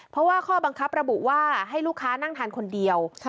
เพราะว่าข้อบังคับระบุว่าให้ลูกค้านั่งทานคนเดียว